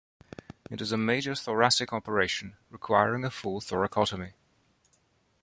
It is a major thoracic operation requiring a full thoracotomy.